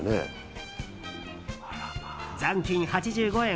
残金８５円。